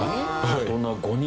大人５人。